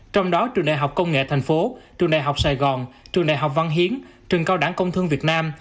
trong đó trường đại học công nghệ thành phố trường đại học sài gòn trường đại học văn hiến trường cao đẳng công thương việt nam